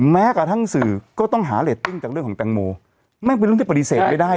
แม้กระทั่งสื่อก็ต้องหาเรตติ้งจากเรื่องของแตงโมแม่งเป็นเรื่องที่ปฏิเสธไม่ได้